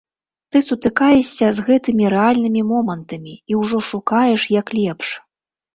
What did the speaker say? Ты сутыкаешся з гэтымі рэальнымі момантамі, і ўжо шукаеш, як лепш.